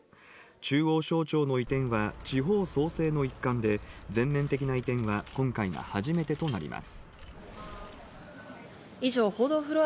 中央省庁の移転は地方創生の一環で全面的な移転は今回が初めてとなります。